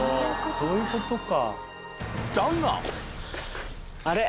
そういうことか。